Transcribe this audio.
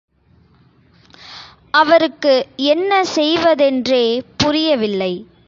அவருக்கு என்ன செய்வதென்றே புரியவில்லை.